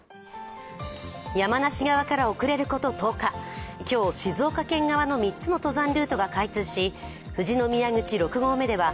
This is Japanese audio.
山梨側から遅れること１０日、今日、静岡県側の３つの登山ルートが開通し、富士宮口６合目では